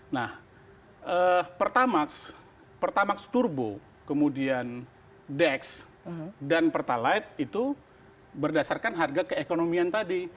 nah pertamax pertamax turbo kemudian dex dan pertalite itu berdasarkan harga keekonomian tadi